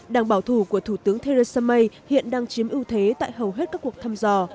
đảng bảo thủ của thủ tướng theresa may hiện đang chiếm ưu thế tại hầu hết các cuộc thăm dò